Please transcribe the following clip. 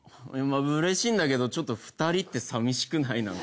うれしいんだけどちょっと２人って寂しくない？